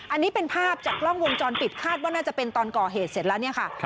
อันนี้เป็นภาพจากกล้องวงจรปิดคาดว่าน่าจะเป็นตอนก่อเหตุเสร็จแล้วเนี่ยค่ะ